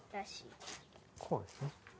こうですね。